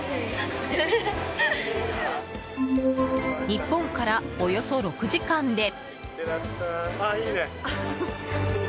日本からおよそ６時間で。